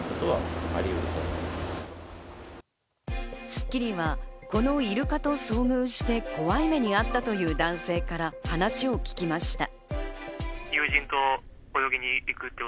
『スッキリ』はこのイルカと遭遇して怖い目に遭ったという男性から話を聞きました。